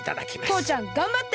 とうちゃんがんばって！